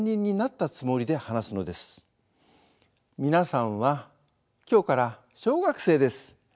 「皆さんは今日から小学生です。